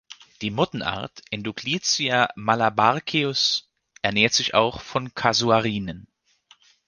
Die Mottenart Endoclita malabaricus ernährt sich auch von Kasuarinen.